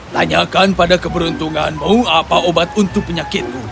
tanyakan pada keberuntunganmu apa obat untuk penyakitmu